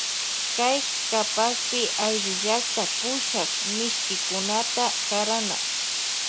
Kay kapakpi ayllullakta pushak mishkikunata karana.